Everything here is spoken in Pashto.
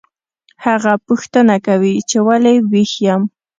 هغه پوښتنه کوي چې ولې ویښ یم